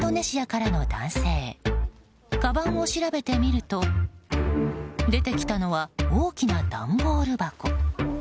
かばんを調べてみると出てきたのは大きな段ボール箱。